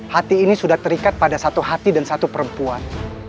hati ini sudah terikat pada satu hati dan satu perempuan